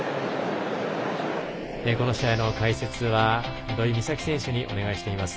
この試合の解説は土居美咲選手にお願いしています。